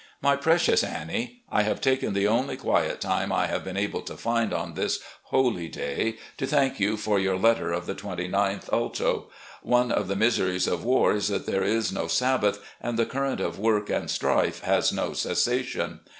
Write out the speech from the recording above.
My Precious Annie: I have taken the only qmet time I have been able to find on this holy day to thank you for your letter of the 29th ulto. One of the miseries of war is that there is no Sabbath, and the current of work and strife has no cessation.